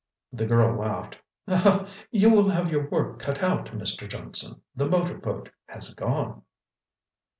The girl laughed. "You'll have your work cut out, Mr. Johnson. The motor boat has gone!"